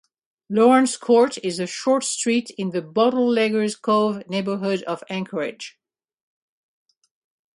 Laurence Court is a short street in the Bootleggers Cove neighborhood of Anchorage.